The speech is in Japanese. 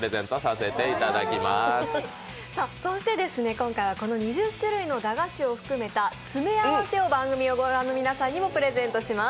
今回はこの２０種類の駄菓子を含めて詰め合わせセットを番組を御覧の皆さんにプレゼントします。